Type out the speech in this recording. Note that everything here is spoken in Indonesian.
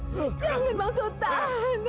jangan bang sutan